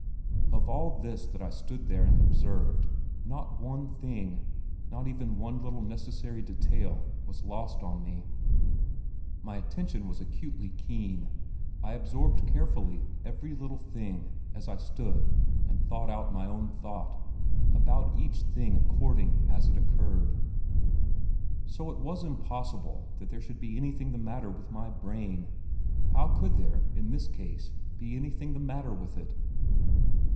Of all this that I stood there and observed not one thing, not even one little accessory detail, was lost on me; my attention was acutely keen; I absorbed carefully every little thing as I stood and thought out my own thought, about each thing according as it occurred. So it was impossible that there could be anything the matter with my brain. How could there, in this case, be anything the matter with it?